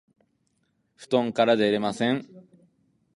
布団から出られません